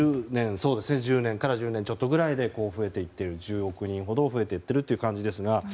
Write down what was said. １０年から１０年ちょっとくらいで１０億人ほど増えていっているという感じですが。